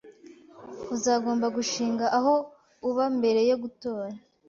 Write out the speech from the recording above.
Uzagomba gushinga aho uba mbere yo gutora.